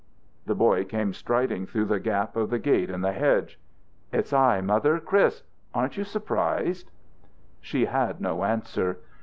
The boy came striding through the gap of the gate in the hedge. "It's I, Mother! Chris! Aren't you surprised?" She had no answer.